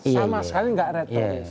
sama sekali nggak retoris